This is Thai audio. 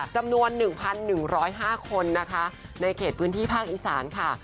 จำนวน๑๑๐๕คนนะคะในเขตพื้นที่ภาคอีสานค่ะ